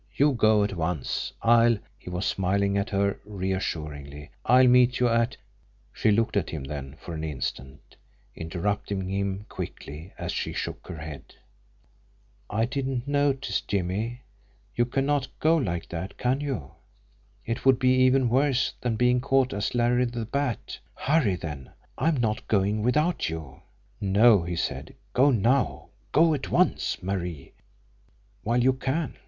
You go at once. I'll" he was smiling at her reassuringly "I'll meet you at " She looked at him then for an instant interrupting him quickly, as she shook her head. "I didn't notice, Jimmie. You cannot go like that can you? It would be even worse than being caught as Larry the Bat. Hurry then I am not going without you." "No!" he said. "Go now! Go at once, Marie while you can.